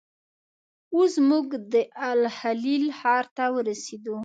اوس موږ د الخلیل ښار ته ورسېدو.